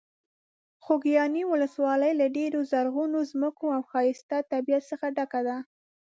خوږیاڼي ولسوالۍ له ډېرو زرغونو ځمکو او ښایسته طبیعت څخه ډکه ده.